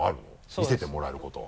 見せてもらえることは。